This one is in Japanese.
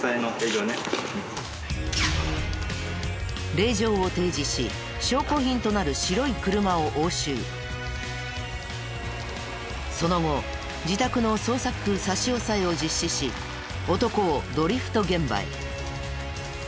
令状を提示し証拠品となるその後自宅の捜索差し押さえを実施し男をドリフト現場へ。